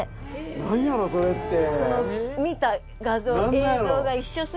何やろそれって。